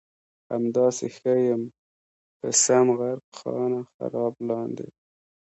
همداسې ښه یم ښه سم غرق خانه خراب لاندې